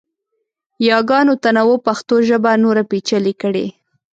یاګانو تنوع پښتو ژبه نوره پیچلې کړې.